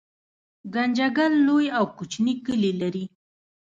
ګنجګل لوی او کوچني کلي لري